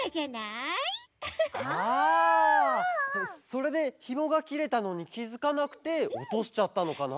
それでひもがきれたのにきづかなくておとしちゃったのかな？